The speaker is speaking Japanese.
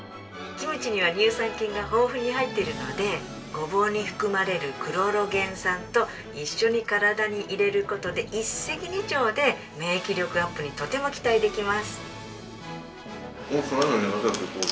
キムチには乳酸菌が豊富に入ってるのでごぼうに含まれるクロロゲン酸と一緒に体に入れる事で一石二鳥で免疫力アップにとても期待できます。